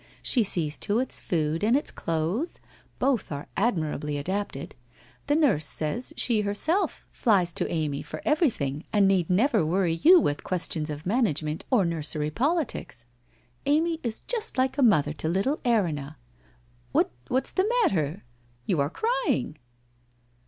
She sees to its food and its clothes, both are admirably adapted. The nurse says she herself flies WHITE ROSE OF WEARY LEAF 189 to Amy for everything and need never worry you with questions of management or nursery politics. Amy is just like a mother to little Erinna What's the matter? You are crying